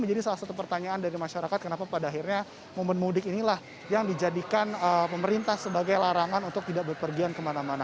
jadi salah satu pertanyaan dari masyarakat kenapa pada akhirnya momen mudik inilah yang dijadikan pemerintah sebagai larangan untuk tidak berpergian kemana mana